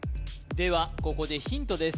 ではここでヒントです